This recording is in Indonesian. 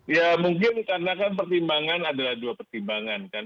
ya mungkin karena kan pertimbangan adalah dua pertimbangan kan